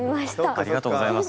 ありがとうございます。